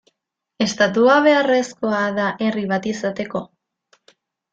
Estatua beharrezkoa da herri bat izateko?